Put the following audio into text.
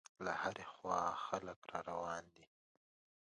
له هرې خوا خلک را روان دي.